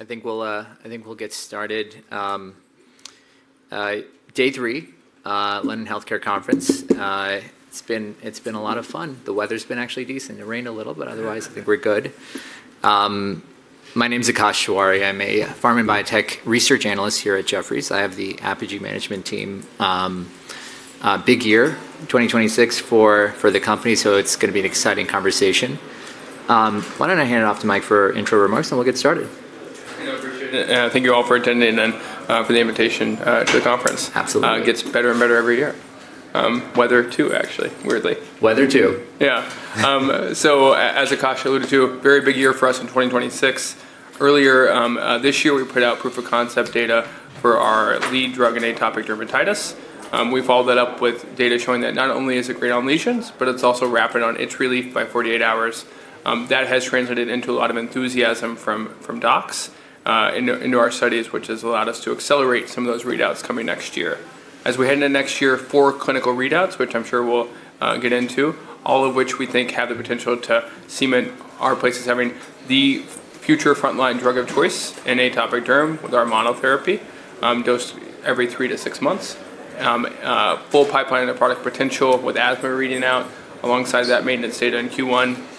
I think we'll, I think we'll get started. Day three, London Healthcare Conference. It's been, it's been a lot of fun. The weather's been actually decent. It rained a little, but otherwise I think we're good. My name's Akash Shah. I'm a pharma and biotech research analyst here at Jefferies. I have the Apogee management team. Big year, 2026 for, for the company, so it's gonna be an exciting conversation. Why don't I hand it off to Mike for intro remarks, and we'll get started. Yeah, I appreciate it. Thank you all for attending, and for the invitation to the conference. Absolutely. It gets better and better every year. Weather too, actually, weirdly. Weather too. Yeah, as Akash alluded to, very big year for us in 2026. Earlier this year we put out proof of concept data for our lead drug in atopic dermatitis. We followed that up with data showing that not only is it great on lesions, but it's also rapid on itch relief by 48 hours. That has translated into a lot of enthusiasm from docs into our studies, which has allowed us to accelerate some of those readouts coming next year. As we head into next year, four clinical readouts, which I'm sure we'll get into, all of which we think have the potential to cement our place as having the future frontline drug of choice in atopic derm with our monotherapy, dosed every three to six months. Full pipeline of product potential with asthma reading out alongside that maintenance data in Q1.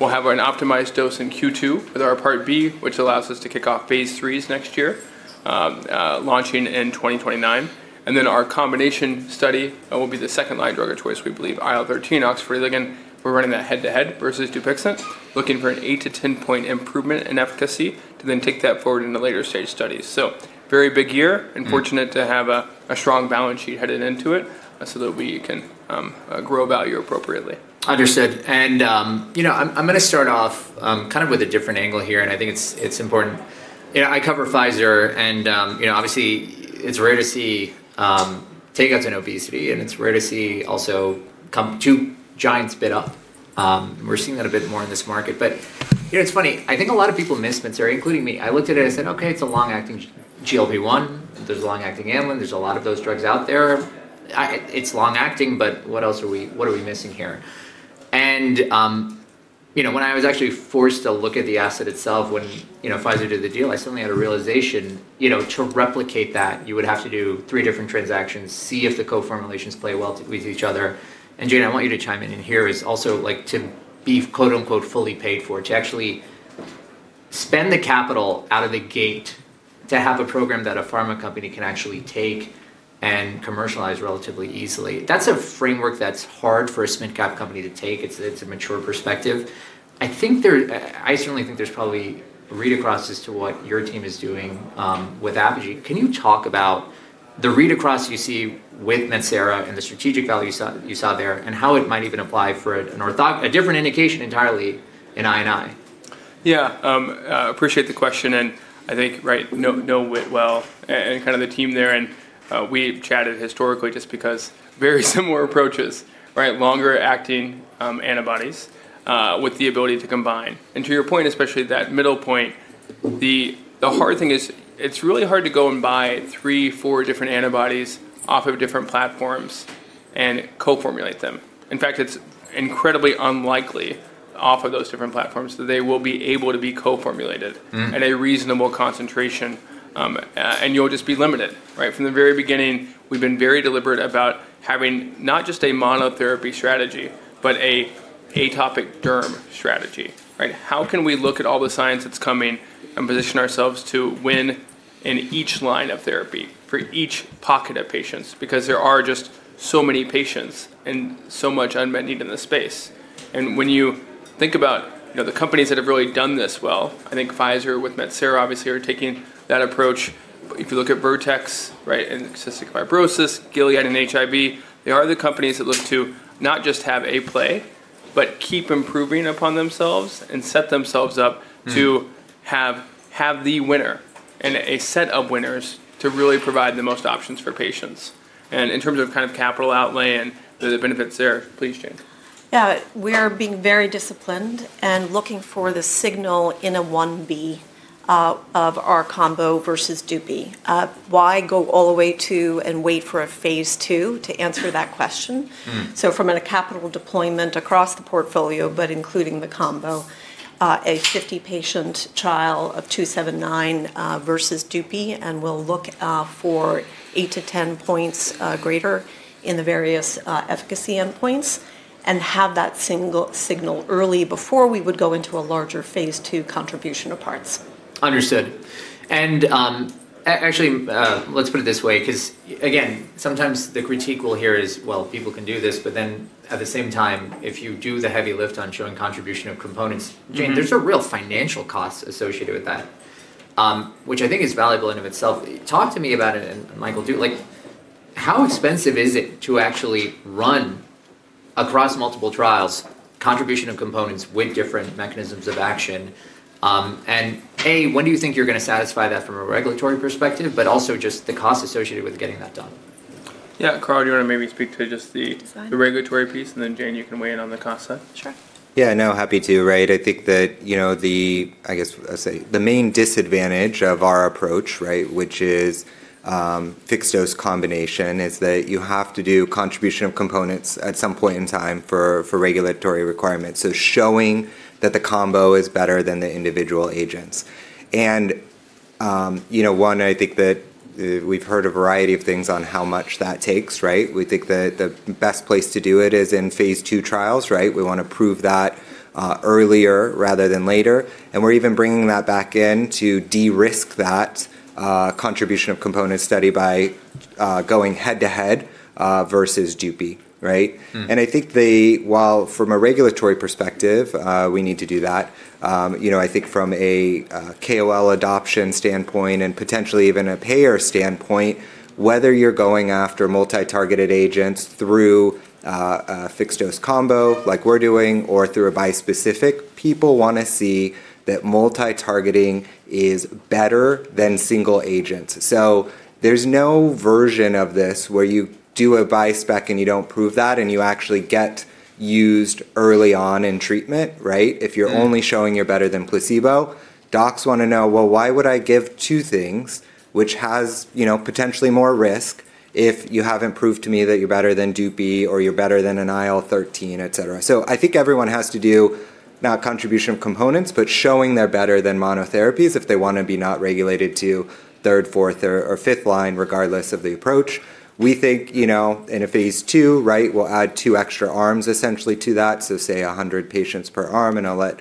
We'll have an optimized dose in Q2 with our part B, which allows us to kick off phase IIIs next year, launching in 2029. Our combination study will be the second line drug of choice, we believe, IL-13, OX40 Ligand. We're running that head-to-head versus Dupixent, looking for an 8-10-point improvement in efficacy to then take that forward into later stage studies. Very big year. Mm-hmm. Fortunate to have a strong balance sheet headed into it so that we can grow value appropriately. Understood. You know, I'm gonna start off, kind of with a different angle here, and I think it's important. You know, I cover Pfizer, and you know, obviously it's rare to see takeouts in obesity, and it's rare to see also come two giants bid up. We're seeing that a bit more in this market. You know, it's funny. I think a lot of people miss Metsera, including me. I looked at it and said, "Okay, it's a long-acting GLP-1. There's a long-acting amylin. There's a lot of those drugs out there. It's long-acting, but what else are we, what are we missing here? You know, when I was actually forced to look at the asset itself when, you know, Pfizer did the deal, I suddenly had a realization, you know, to replicate that, you would have to do three different transactions, see if the co-formulations play well with each other. Jane, I want you to chime in. Here is also, like, to be quote-unquote fully paid for, to actually spend the capital out of the gate to have a program that a pharma company can actually take and commercialize relatively easily. That's a framework that's hard for a spin cap company to take. It's a mature perspective. I think there, I certainly think there's probably read across as to what your team is doing with Apogee. Can you talk about the read across you see with Metsera and the strategic value you saw there and how it might even apply for an orthog, a different indication entirely in INI? Yeah. Appreciate the question. I think, right, know, know Wit well and kind of the team there. We chatted historically just because very similar approaches, right, longer-acting antibodies, with the ability to combine. To your point, especially that middle point, the hard thing is it's really hard to go and buy three, four different antibodies off of different platforms and co-formulate them. In fact, it's incredibly unlikely off of those different platforms that they will be able to be co-formulated. Mm-hmm. At a reasonable concentration. You'll just be limited, right? From the very beginning, we've been very deliberate about having not just a monotherapy strategy, but an atopic derm strategy, right? How can we look at all the science that's coming and position ourselves to win in each line of therapy for each pocket of patients? Because there are just so many patients and so much unmet need in the space. When you think about, you know, the companies that have really done this well, I think Pfizer with Metsera obviously are taking that approach. If you look at Vertex, right, and cystic fibrosis, Gilead and HIV, they are the companies that look to not just have a play, but keep improving upon themselves and set themselves up to have the winner and a set of winners to really provide the most options for patients. In terms of kind of capital outlay and the benefits there, please, Jane. Yeah. We are being very disciplined and looking for the signal in a 1B, of our combo versus Dupi. Why go all the way to and wait for a phase II to answer that question? Mm-hmm. From a capital deployment across the portfolio, but including the combo, a 50-patient trial of 279, versus Dupi, and we'll look for 8-10 points greater in the various efficacy endpoints and have that single signal early before we would go into a larger phase II contribution of parts. Understood. Actually, let's put it this way, 'cause again, sometimes the critique we'll hear is, "Well, people can do this," but then at the same time, if you do the heavy lift on showing contribution of components, Jane, there's a real financial cost associated with that, which I think is valuable in and of itself. Talk to me about it, and Michael, like, how expensive is it to actually run across multiple trials contribution of components with different mechanisms of action? And A, when do you think you're gonna satisfy that from a regulatory perspective, but also just the cost associated with getting that done? Yeah. Carl, do you wanna maybe speak to just the. That's fine. The regulatory piece, and then Jane, you can weigh in on the cost side. Sure. Yeah. No, happy to, right? I think that, you know, the, I guess I'll say the main disadvantage of our approach, right, which is, fixed dose combination, is that you have to do contribution of components at some point in time for, for regulatory requirements. So showing that the combo is better than the individual agents. You know, one, I think that, we've heard a variety of things on how much that takes, right? We think that the best place to do it is in phase II trials, right? We wanna prove that, earlier rather than later. We're even bringing that back in to de-risk that, contribution of component study by, going head-to-head, versus Dupi, right? Mm-hmm. While from a regulatory perspective, we need to do that, you know, I think from a KOL adoption standpoint and potentially even a payer standpoint, whether you're going after multi-targeted agents through a fixed dose combo like we're doing or through a bispecific, people wanna see that multi-targeting is better than single agents. There is no version of this where you do a bispec and you do not prove that and you actually get used early on in treatment, right? If you're only showing you're better than placebo, docs wanna know, "Well, why would I give two things which has, you know, potentially more risk if you haven't proved to me that you're better than Dupi or you're better than an IL-13, et cetera?" I think everyone has to do not contribution of components, but showing they're better than monotherapies if they wanna be not regulated to third, fourth, or fifth line regardless of the approach. We think, you know, in a phase II, right, we'll add two extra arms essentially to that. Say 100 patients per arm, and I'll let,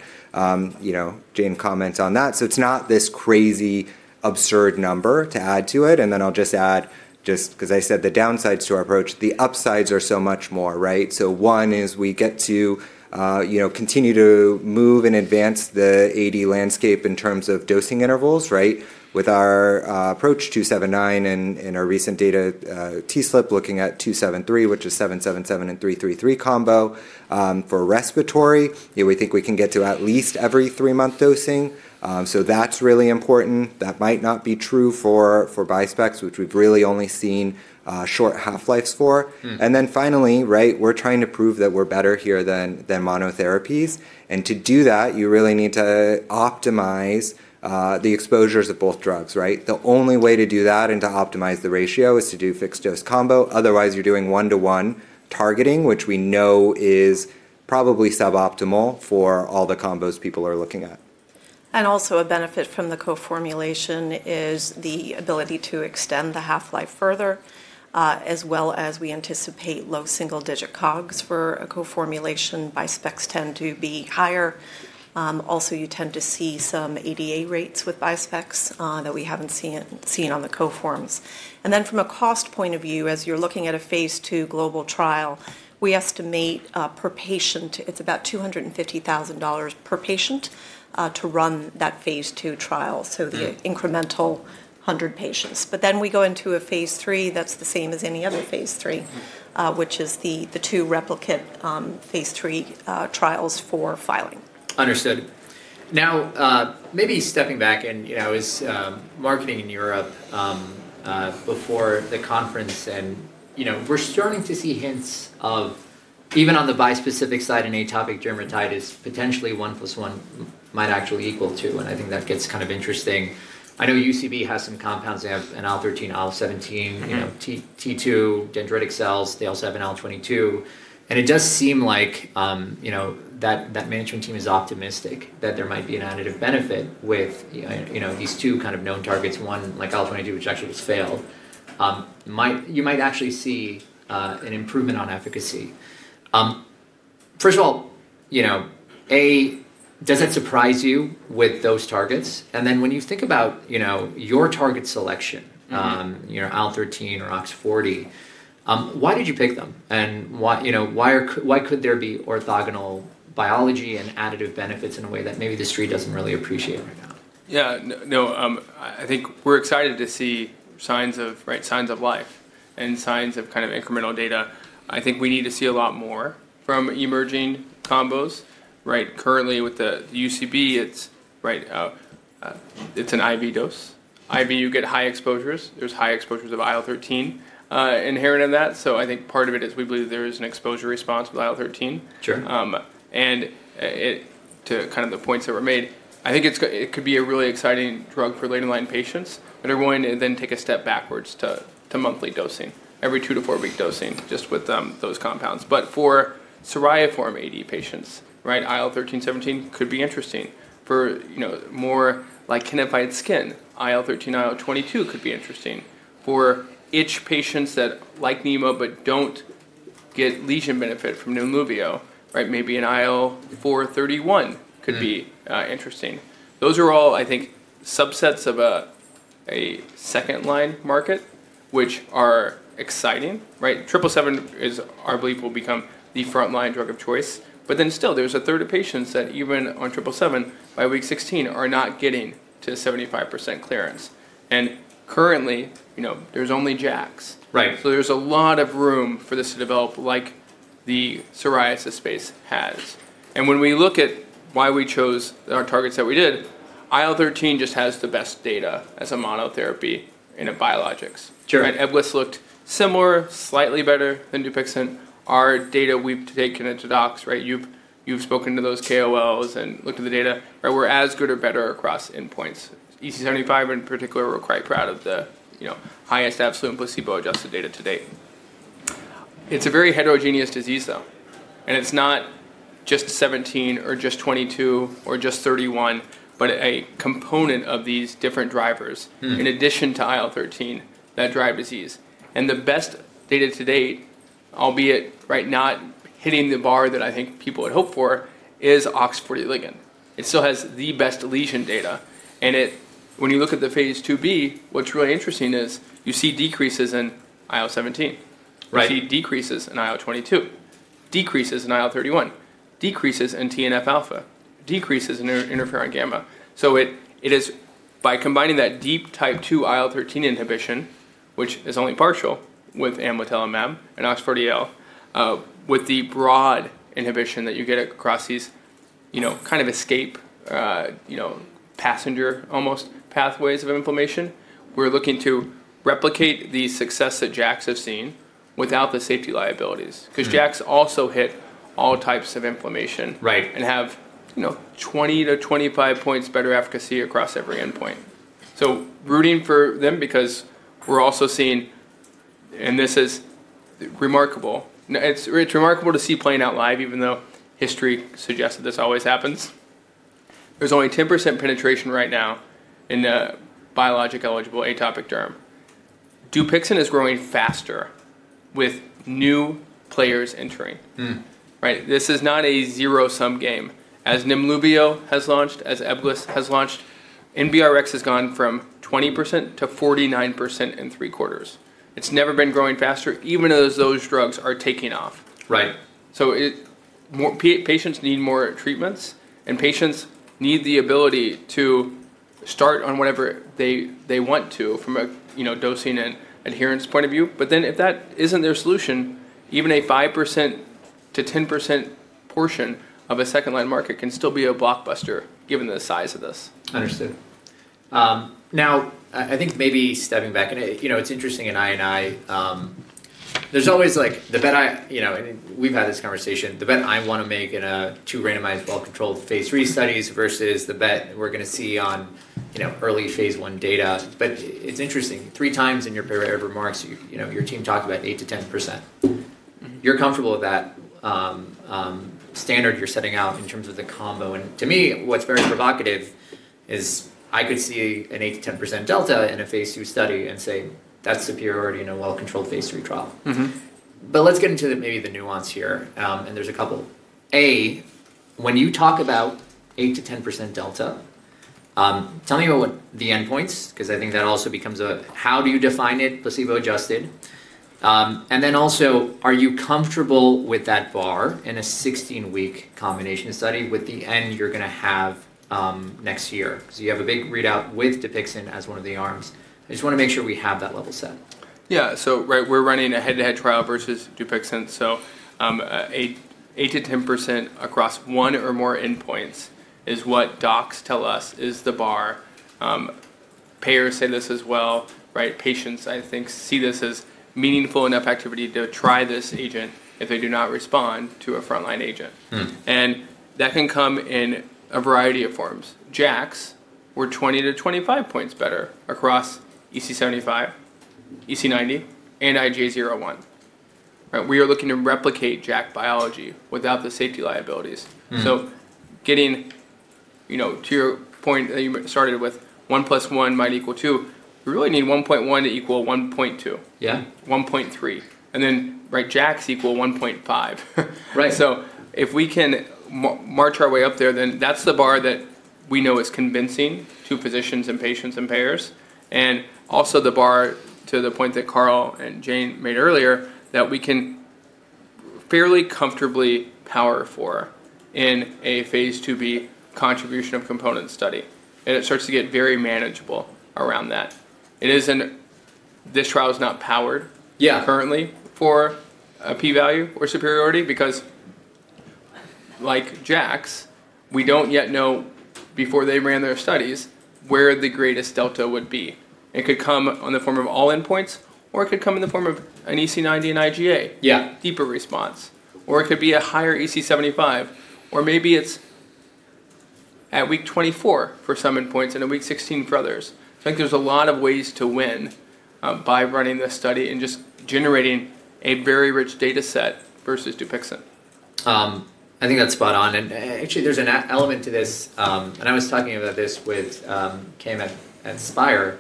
you know, Jane comment on that. It's not this crazy absurd number to add to it. I just add, just 'cause I said the downsides to our approach, the upsides are so much more, right? One is we get to, you know, continue to move and advance the AD landscape in terms of dosing intervals, right, with our approach 279 and our recent data, TSLP looking at 273, which is 777 and 333 combo, for respiratory. You know, we think we can get to at least every three-month dosing. That might not be true for bispecs, which we've really only seen short half-lives for. Mm-hmm. Finally, right, we're trying to prove that we're better here than, than monotherapies. To do that, you really need to optimize the exposures of both drugs, right? The only way to do that and to optimize the ratio is to do fixed dose combo. Otherwise, you're doing one-to-one targeting, which we know is probably suboptimal for all the combos people are looking at. Also, a benefit from the co-formulation is the ability to extend the half-life further, as well as we anticipate low single-digit COGS for a co-formulation. Bispecs tend to be higher. Also, you tend to see some ADA rates with bispecs that we have not seen on the co-forms. From a cost point of view, as you are looking at a phase II global trial, we estimate, per patient, it is about $250,000 per patient to run that phase II trial. The incremental 100 patients. We go into a phase III that is the same as any other phase III. Mm-hmm. which is the two replicate phase III trials for filing. Understood. Now, maybe stepping back and, you know, as, marketing in Europe, before the conference, and, you know, we're starting to see hints of even on the bispecific side in atopic dermatitis, potentially 1 + 1 might actually equal 2. I think that gets kind of interesting. I know UCB has some compounds. They have an IL-13, IL-17. Mm-hmm. You know, T2 dendritic cells. They also have an IL-22. And it does seem like, you know, that management team is optimistic that there might be an additive benefit with, you know, you know, these two kind of known targets, one like IL-22, which actually was failed. You might actually see an improvement on efficacy. First of all, you know, does that surprise you with those targets? And then when you think about, you know, your target selection. Mm-hmm. you know, IL-13 or OX40, why did you pick them? And why, you know, why are co why could there be orthogonal biology and additive benefits in a way that maybe the street doesn't really appreciate right now? Yeah. No, I think we're excited to see signs of, right, signs of life and signs of kind of incremental data. I think we need to see a lot more from emerging combos, right? Currently with the UCB, it's, right, it's an IV dose. IV, you get high exposures. There's high exposures of IL-13, inherent in that. So I think part of it is we believe there is an exposure response with IL-13. Sure. It, to kind of the points that were made, I think it's, it could be a really exciting drug for later in line patients. Are we going to then take a step backwards to monthly dosing, every two to four-week dosing just with those compounds? For Psoriasiform AD patients, right, IL-13, 17 could be interesting. For, you know, more like kinetized skin, IL-13, IL-22 could be interesting. For itch patients that like Nemo but don't get lesion benefit from NEMLUVIO, right, maybe an IL-431 could be interesting. Those are all, I think, subsets of a second line market, which are exciting, right? 777 is, I believe, will become the front line drug of choice. Still, there's a third of patients that even on 777 by week 16 are not getting to 75% clearance. Currently, you know, there's only JAKs Right. There's a lot of room for this to develop like the psoriasis space has. When we look at why we chose our targets that we did, IL-13 just has the best data as a monotherapy in biologics. Sure. Right? Ebglyss looked similar, slightly better than Dupixent. Our data we've taken into docs, right? You've, you've spoken to those KOLs and looked at the data, right? We're as good or better across endpoints. EASI-75 in particular, we're quite proud of the, you know, highest absolute and placebo adjusted data to date. It's a very heterogeneous disease though. It's not just 17 or just 22 or just 31, but a component of these different drivers. Mm-hmm. In addition to IL-13 that drive disease. The best data to date, albeit right, not hitting the bar that I think people would hope for, is OX40 ligand. It still has the best lesion data. When you look at the phase II B, what's really interesting is you see decreases in IL-17. Right. You see decreases in IL-22, decreases in IL-31, decreases in TNF alpha, decreases in interferon gamma. It is by combining that deep type two IL-13 inhibition, which is only partial with Amlodelam and OX40L, with the broad inhibition that you get across these, you know, kind of escape, you know, passenger almost pathways of inflammation, we're looking to replicate the success that JAKs have seen without the safety liabilities. Mm-hmm. 'Cause JAKs also hit all types of inflammation. Right. You have, you know, 20 points-25 points better efficacy across every endpoint. Rooting for them because we're also seeing, and this is remarkable, it's remarkable to see playing out live, even though history suggests that this always happens. There's only 10% penetration right now in a biologically eligible atopic derm. Dupixent is growing faster with new players entering. Mm-hmm. Right? This is not a zero-sum game. As NEMLUVIO has launched, as Ebglyss has launched, NBRX has gone from 20% to 49% in three quarters. It's never been growing faster, even as those drugs are taking off. Right. More patients need more treatments, and patients need the ability to start on whatever they want to from a, you know, dosing and adherence point of view. If that is not their solution, even a 5%-10% portion of a second line market can still be a blockbuster given the size of this. Understood. Now, I think maybe stepping back, and, you know, it's interesting in INI, there's always like the bet I, you know, and we've had this conversation, the bet I want to make in two randomized well-controlled phase III studies versus the bet we're going to see on, you know, early phase one data. It's interesting, three times in your period of remarks, you, you know, your team talked about 8%-10%. Mm-hmm. You're comfortable with that, standard you're setting out in terms of the combo. To me, what's very provocative is I could see an 8%-10% delta in a phase II study and say that's superiority in a well-controlled phase III trial. Mm-hmm. Let's get into maybe the nuance here. There are a couple. A, when you talk about 8%-10% delta, tell me about what the endpoints, 'cause I think that also becomes, how do you define it, placebo adjusted? Are you comfortable with that bar in a 16-week combination study with the end you're gonna have next year? 'Cause you have a big readout with Dupixent as one of the arms. I just want to make sure we have that level set. Yeah. Right, we're running a head-to-head trial versus Dupixent. 8%-10% across one or more endpoints is what docs tell us is the bar. Payers say this as well, right? Patients, I think, see this as meaningful enough activity to try this agent if they do not respond to a front line agent. Mm-hmm. That can come in a variety of forms. JAKs were 20-25 percentage points better across EASI-75, EASI-90, and IGA01, right? We are looking to replicate JAK biology without the safety liabilities. Mm-hmm. Getting, you know, to your point that you started with, one plus one might equal two. We really need one point one to equal one point two. Yeah. 1.3. Right, JAKs equal 1.5. Right. If we can march our way up there, then that's the bar that we know is convincing to physicians and patients and payers. Also, the bar to the point that Carl and Jane made earlier that we can fairly comfortably power for in a phase II-B contribution of component study. It starts to get very manageable around that. It isn't, this trial is not powered. Yeah. Currently for a P-value or superiority because, like JAKs, we don't yet know before they ran their studies where the greatest delta would be. It could come in the form of all endpoints, or it could come in the form of an EC90 and IGA. Yeah. Deeper response. It could be a higher EASI-75, or maybe it is at week 24 for some endpoints and at week 16 for others. I think there are a lot of ways to win by running this study and just generating a very rich data set versus Dupixent. I think that's spot on. Actually, there's an element to this, and I was talking about this with Carl at SPIRE.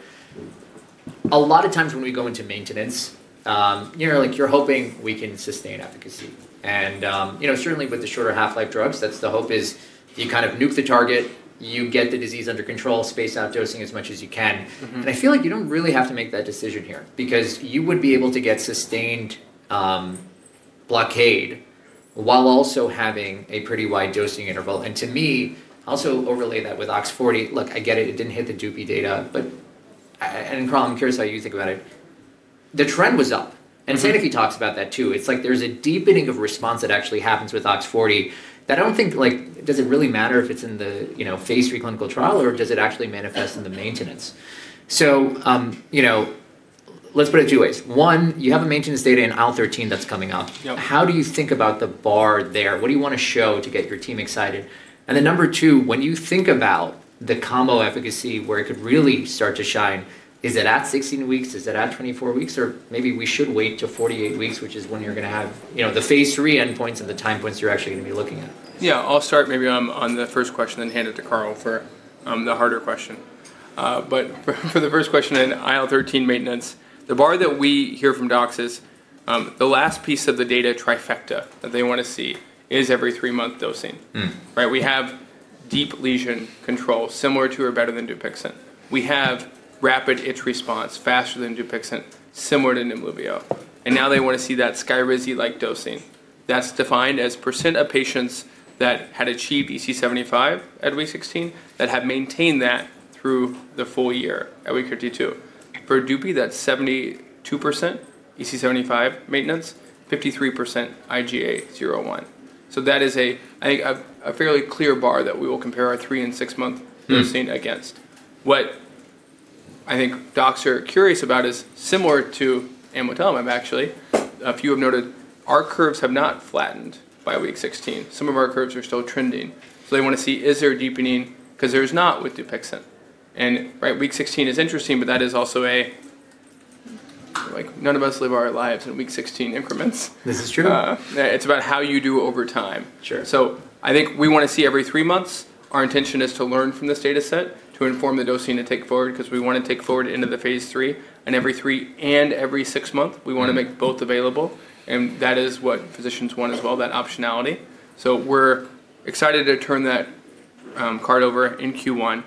A lot of times when we go into maintenance, you know, like you're hoping we can sustain efficacy. You know, certainly with the shorter half-life drugs, that's the hope is you kind of nuke the target, you get the disease under control, space out dosing as much as you can. Mm-hmm. I feel like you do not really have to make that decision here because you would be able to get sustained blockade while also having a pretty wide dosing interval. To me, also overlay that with OX40, look, I get it, it did not hit the Dupi data, but, and Carl, I am curious how you think about it. The trend was up. Mm-hmm. Sanofi talks about that too. It's like there's a deepening of response that actually happens with OX40 that I don't think, like, does it really matter if it's in the, you know, phase III clinical trial or does it actually manifest in the maintenance? You know, let's put it two ways. One, you have a maintenance data in IL-13 that's coming up. Yep. How do you think about the bar there? What do you wanna show to get your team excited? Number two, when you think about the combo efficacy where it could really start to shine, is it at 16 weeks? Is it at 24 weeks? Or maybe we should wait to 48 weeks, which is when you're gonna have, you know, the phase III endpoints and the time points you're actually gonna be looking at. Yeah. I'll start maybe on the first question and hand it to Carl for the harder question. For the first question in IL-13 maintenance, the bar that we hear from docs is the last piece of the data trifecta that they wanna see is every three-month dosing. Mm-hmm. Right? We have deep lesion control similar to or better than Dupixent. We have rapid itch response faster than Dupixent, similar to NEMLUVIO. Now they wanna see that SKYRIZI-like dosing. That's defined as percent of patients that had achieved EASI-75 at week 16 that have maintained that through the full year at week 52. For Dupi, that's 72% EASI-75 maintenance, 53% IGA01. That is, I think, a fairly clear bar that we will compare our three and six-month dosing against. What I think docs are curious about is similar to amlitelimab actually. A few have noted our curves have not flattened by week 16. Some of our curves are still trending. They wanna see is there deepening 'cause there's not with Dupixent. Week 16 is interesting, but that is also a, like, none of us live our lives in week 16 increments. This is true. It's about how you do over time. Sure. I think we wanna see every three months. Our intention is to learn from this data set to inform the dosing to take forward 'cause we wanna take forward into the phase III. Every three and every six month, we wanna make both available. That is what physicians want as well, that optionality. We're excited to turn that card over in Q1.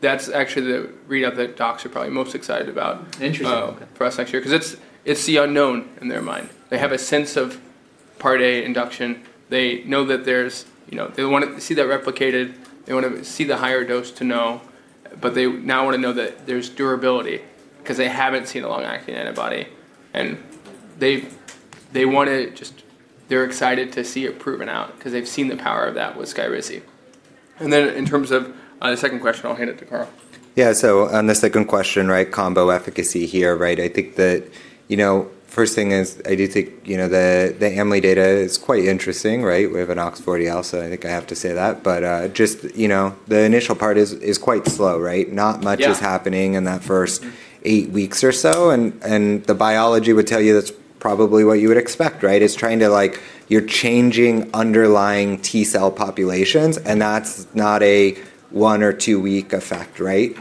That's actually the readout that docs are probably most excited about. Interesting. Oh, for us next year 'cause it's the unknown in their mind. They have a sense of part A induction. They know that there's, you know, they wanna see that replicated. They wanna see the higher dose to know, but they now wanna know that there's durability 'cause they haven't seen a long-acting antibody. They wanna just, they're excited to see it proven out 'cause they've seen the power of that with SKYRIZI. In terms of the second question, I'll hand it to Carl. Yeah. On the second question, right, combo efficacy here, right? I think that, you know, first thing is I do think, you know, the Amly data is quite interesting, right? We have an OX40 also. I think I have to say that. Just, you know, the initial part is quite slow, right? Not much is happening in that first eight weeks or so. The biology would tell you that's probably what you would expect, right? It's trying to, like, you're changing underlying T cell populations, and that's not a one or two week effect, right?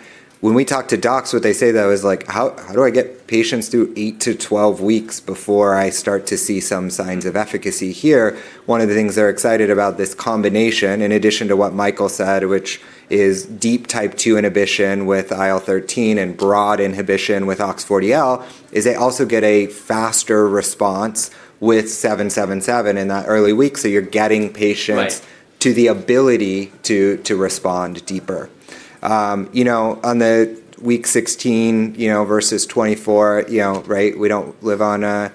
When we talk to docs, what they say though is like, how do I get patients through 8 to 12 weeks before I start to see some signs of efficacy here? One of the things they're excited about this combination, in addition to what Michael said, which is deep type two inhibition with IL-13 and broad inhibition with OX40L, is they also get a faster response with 777 in that early week. You are getting patients. Right. To the ability to respond deeper, you know, on the week 16, you know, versus 24, you know, right? We don't live on a,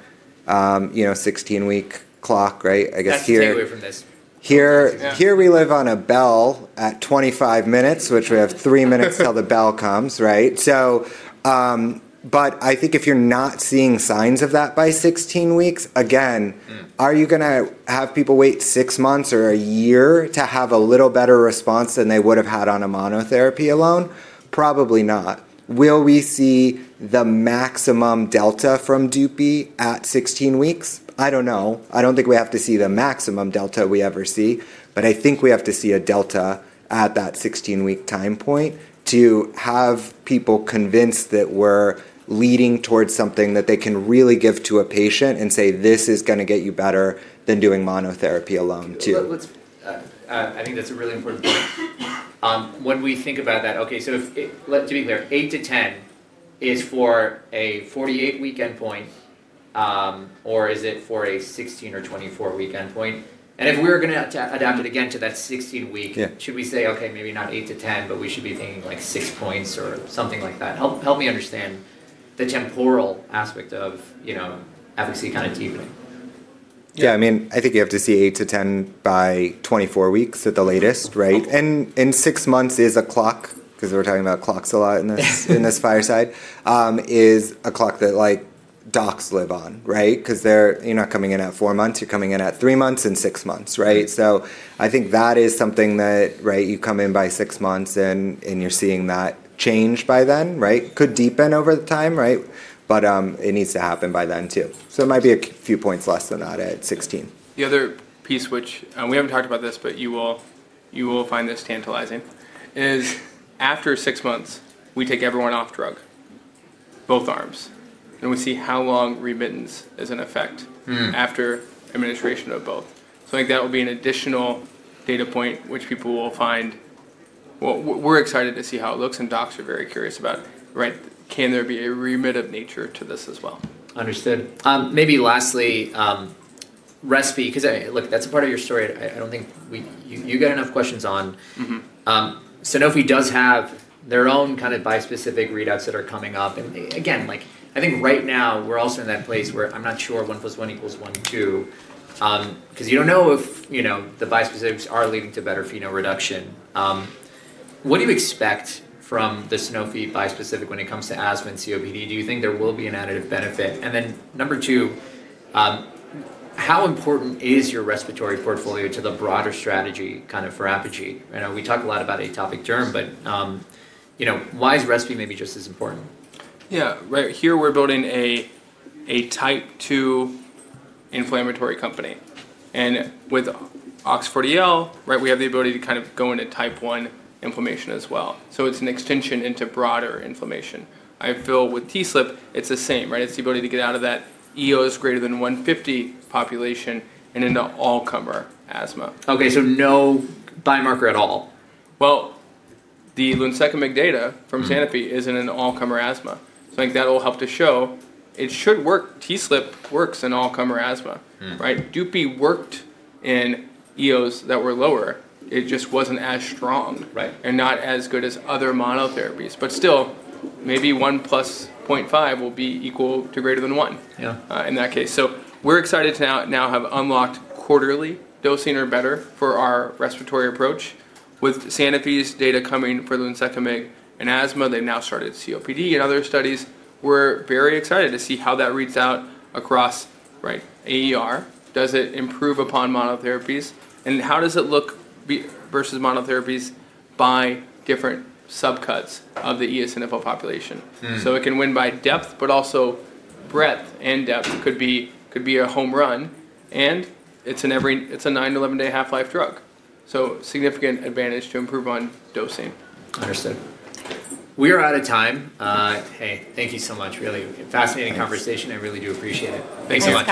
you know, 16-week clock, right? I guess here. That's getting away from this. Here we live on a bell at 25 minutes, which we have three minutes till the bell comes, right? I think if you're not seeing signs of that by 16 weeks, again. Mm-hmm. Are you gonna have people wait six months or a year to have a little better response than they would've had on a monotherapy alone? Probably not. Will we see the maximum delta from Dupi at 16 weeks? I don't know. I don't think we have to see the maximum delta we ever see, but I think we have to see a delta at that 16-week time point to have people convinced that we're leading towards something that they can really give to a patient and say, "This is gonna get you better than doing monotherapy alone too. What's, I think that's a really important point. When we think about that, okay, so if, let to be clear, 8-10 is for a 48-week endpoint, or is it for a 16 or 24-week endpoint? And if we were gonna adapt it again to that 16-week. Yeah. Should we say, "Okay, maybe not 8-10, but we should be thinking like six points or something like that"? Help me understand the temporal aspect of, you know, efficacy kind of deepening. Yeah. I mean, I think you have to see 8-10 by 24 weeks at the latest, right? I mean, six months is a clock 'cause we're talking about clocks a lot in this, in this fireside, is a clock that, like, docs live on, right? 'Cause you're not coming in at four months. You're coming in at three months and six months, right? I think that is something that, right, you come in by six months and you're seeing that change by then, right? Could deepen over the time, right? It needs to happen by then too. It might be a few points less than that at 16. The other piece, which, we haven't talked about this, but you will, you will find this tantalizing, is after six months, we take everyone off drug, both arms, and we see how long remittance is in effect. Mm-hmm. After administration of both. I think that will be an additional data point, which people will find, well, we're excited to see how it looks, and docs are very curious about, right, can there be a remit of nature to this as well? Understood. Maybe lastly, RESPI, 'cause I, look, that's a part of your story. I don't think you got enough questions on. Mm-hmm. Sanofi does have their own kind of bi-specific readouts that are coming up. Again, like, I think right now we're also in that place where I'm not sure one plus one equals one too, 'cause you don't know if, you know, the bi-specifics are leading to better phenol reduction. What do you expect from the Sanofi bi-specific when it comes to asthma and COPD? Do you think there will be an additive benefit? And then number two, how important is your respiratory portfolio to the broader strategy kind of for Apogee? I know we talk a lot about atopic derm, but, you know, why is RESPI maybe just as important? Yeah. Right here we're building a, a type 2 inflammatory company. With OX40L, right, we have the ability to kind of go into type 1 inflammation as well. It is an extension into broader inflammation. I feel with TSLP, it's the same, right? It's the ability to get out of that EOs greater than 150 population and into all-comer asthma. Okay. No biomarker at all. The LinseccaMig data from Sanofi isn't in all-comer asthma. I think that'll help to show it should work. TSLP works in all-comer asthma. Mm-hmm. Right? Dupixent worked in eosinophils that were lower. It just was not as strong. Right. Not as good as other monotherapies. Still, maybe 1 plus 0.5 will be equal to greater than 1. Yeah. In that case. We're excited to now have unlocked quarterly dosing or better for our respiratory approach with Sanofi's data coming for lunsekimig in asthma. They've now started COPD and other studies. We're very excited to see how that reads out across, right, AER. Does it improve upon monotherapies? How does it look versus monotherapies by different subcuts of the eosinophil population? Mm-hmm. It can win by depth, but also breadth and depth could be, could be a home run. It is an every, it is a 9-11 day half-life drug. Significant advantage to improve on dosing. Understood. We are out of time. Hey, thank you so much. Really fascinating conversation. I really do appreciate it. Thanks so much.